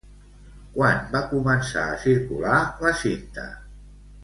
Quan va començar a circular la cinta?